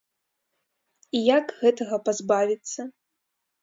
І як гэтага пазбавіцца?